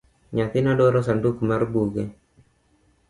Nyathina dwaro sanduk mar buge